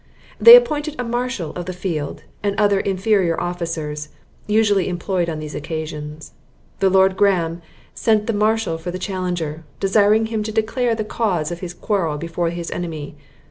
They appointed a marshal of the field, and other inferior officers, usually employed on these occasions. The Lord Graham sent the marshal for the challenger, desiring him to declare the cause of his quarrel before his enemy.